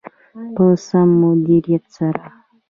په سم مدیریت سره.